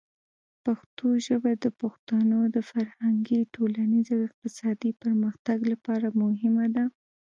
پښتو ژبه د پښتنو د فرهنګي، ټولنیز او اقتصادي پرمختګ لپاره مهمه ده.